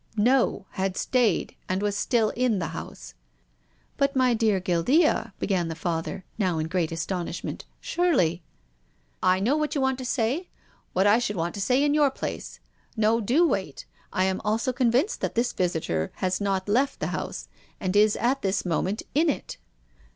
" No, had stayed, and was still in the house." " But, my dear Guildea," began the Father, now in great astonishment. " Surely "" I know what you want to say — what I should want to say in your place. Now, do wait. I am also convinced that this visitor has not left the house and is at this moment in it."